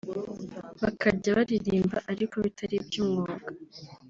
bakajya baririmba ariko bitari iby’umwuga